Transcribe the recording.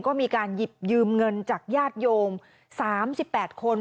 ก็มีการหยิบยืมเงินจากญาติโยม๓๘คน